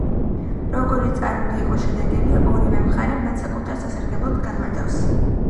როგორიც არ უნდა იყოს შედეგები, ორივე მხარე მათ საკუთარ სასარგებლოდ განმარტავს.